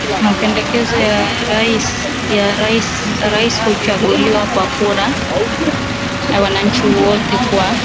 mapendekezo ya rais Rais huchaguliwa kwa kura ya wananchi wote kwa